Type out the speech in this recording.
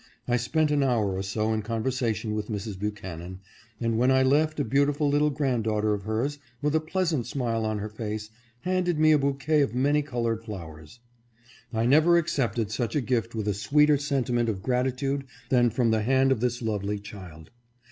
I spent an hour or so in conversation with Mrs. Buchanan, and when I left a beautiful little grand daughter of hers, with a pleasant smile on her face, handed me a bouquet of many colored flowers. I never accepted such a gift with a sweeter sentiment of gratitude than from the hand of this lovely child.